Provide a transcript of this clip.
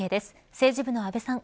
政治部の阿部さん